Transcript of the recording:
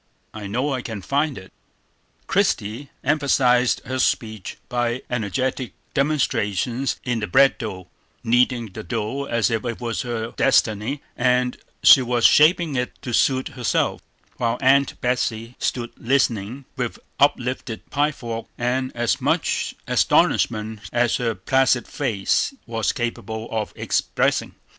I know I can find it." Christie emphasized her speech by energetic demonstrations in the bread trough, kneading the dough as if it was her destiny, and she was shaping it to suit herself; while Aunt Betsey stood listening, with uplifted pie fork, and as much astonishment as her placid face was capable of expressing.